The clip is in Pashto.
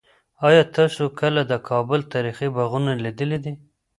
آیا تاسو کله د کابل تاریخي باغونه لیدلي دي؟